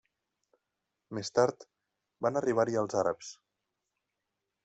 Més tard, van arribar-hi els àrabs.